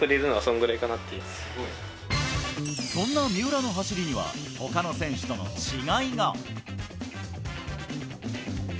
そんな三浦の走りには他の選手との違いが。